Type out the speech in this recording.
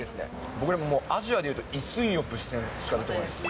これもう、アジアで言うとイ・スンヨプ選手しか出てこないです。